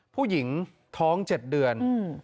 ผู้หญิงท้อง๗เดือน